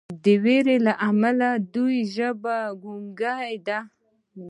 د ویرې له امله د دوی ژبه ګونګه ده.